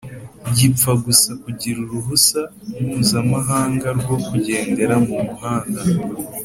gipfa gusa kugira uruhusa mpuza-mahanga rwo kugendera mu muhanda